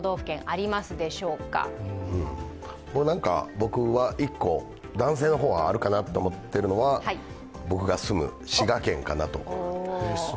僕は１個、男性の方はあるかなと思っているのは、僕が住む滋賀県かなと。